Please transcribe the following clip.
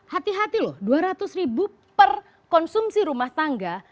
hati hati loh dua ratus ribu per konsumsi rumah tangga